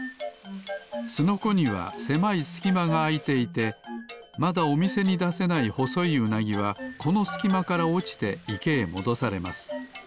スノコにはせまいすきまがあいていてまだおみせにだせないほそいウナギはこのすきまからおちていけへもどされます。